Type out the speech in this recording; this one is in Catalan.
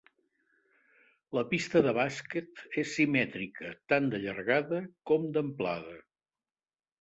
La pista de bàsquet és simètrica tant de llargada com d'amplada.